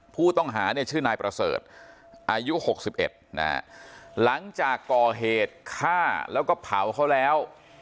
ผู้ต้องหาเนี่ยชื่อนายประเสริฐอายุ๖๑นะฮะหลังจากก่อเหตุฆ่าแล้วก็เผาเขาแล้ว